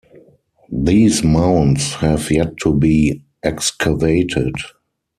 These mounds have yet to be excavated.